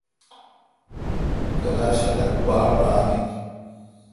کلاش خلق باڑ ران خلق این۔